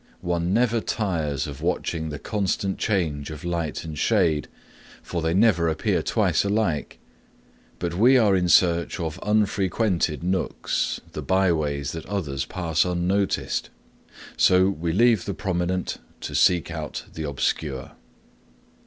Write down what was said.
One never tires of watching the constant change of light and shade, for they never appear twice alike. But we are in search of unfrequented nooks, the byways that others pass unnoticed, so we leave the prominent to seek out the obscure.